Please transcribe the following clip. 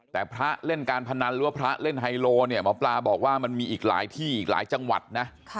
แต่พระเล่นการพนันหรือว่าพระเล่นไฮโลเนี่ยหมอปลาบอกว่ามันมีอีกหลายที่อีกหลายจังหวัดนะ